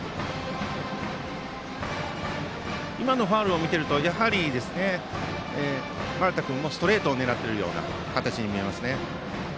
今のファウルを見ているとやはり丸田君もストレートを狙っているような形に見えますね。